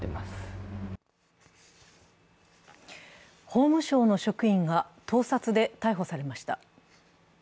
法務省の職員が盗作で逮捕されました。